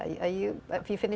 sudah lulus sekolah tinggi ya